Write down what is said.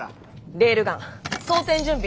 レールガン装填準備。